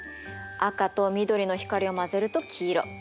赤と緑の光を混ぜると黄色。